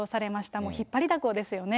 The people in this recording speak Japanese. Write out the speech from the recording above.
もう引っ張りだこですよね。